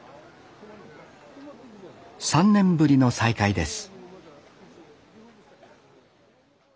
３年ぶりの再会です